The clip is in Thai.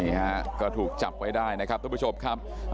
นี่ฮะก็ถูกจับไว้ได้นะครับทุกผู้ชมครับ